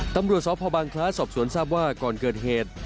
ตำรวจสพบังคล้าสอบสวนทราบว่าก่อนเกิดเหตุ